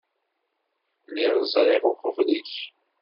Lliɣ ẓriɣ uqbel-ik.